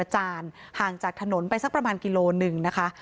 จานห่างจากถนนไปสักประมาณกิโลหนึ่งนะคะ